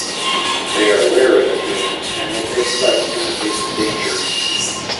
They are wary of humans and will take flight in the face of danger.